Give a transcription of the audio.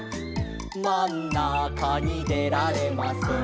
「まんなかにでられません」